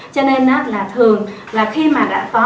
cho nên là thường là khi mà đã có